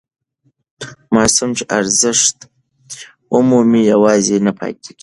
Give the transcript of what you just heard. ماسوم چې ارزښت ومومي یوازې نه پاتې کېږي.